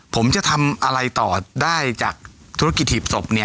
ผมจะทำอะไรต่อได้จากธุรกิจหีบศพ